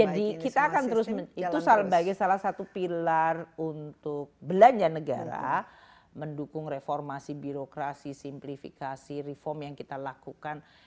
jadi kita akan terus itu sebagai salah satu pilar untuk belanja negara mendukung reformasi birokrasi simplifikasi reform yang kita lakukan